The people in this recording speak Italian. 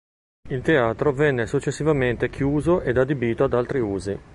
Il teatro venne successivamente chiuso ed adibito ad altri usi.